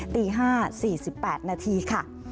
ตี๕๔๘นาทีค่ะ